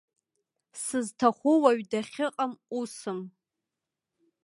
Сызҭаху уаҩ дахьыҟам усым.